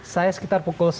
saya sekitar pukul sebelas